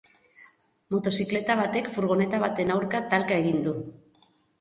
Motozikleta batek furgoneta baten aurka talka egin du.